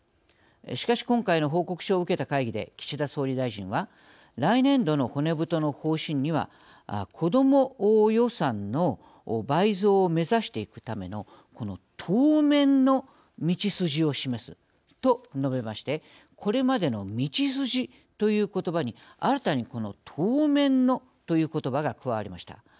しかし、今回の報告書を受けた会議で、岸田総理大臣は来年度の骨太の方針には子ども予算の倍増を目指していくためのこの当面の道筋を示すと述べましてこれまでの道筋という言葉に新たに、この当面のという言葉が加わりました。